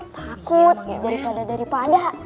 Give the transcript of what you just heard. takut daripada daripada